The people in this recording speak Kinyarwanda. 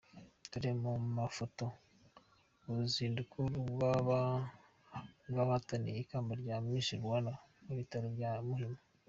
Dore mu mafoto uruzinduko rw’abahataniye ikamba rya Miss Rwanda mu bitaro bya Muhima :.